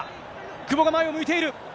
久保が前を向いている。